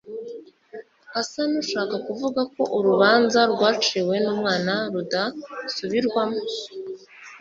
asa n'ushaka kuvuga ko urubanza rwaciwe n'umwami rudasubirwamo